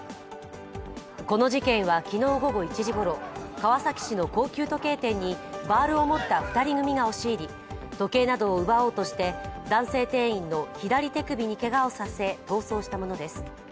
この事件は昨日午後１時ごろ、川崎市の高級時計店にバールを持った２人組が押し入り、時計などを奪おうとして男性店員の左手首にけがをさせ逃走したものです。